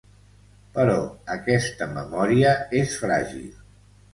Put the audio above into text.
Però aquesta memòria és fràgil.